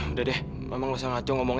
udah deh mama gak usah ngacau ngomongnya